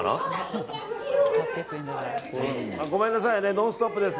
「ノンストップ！」です。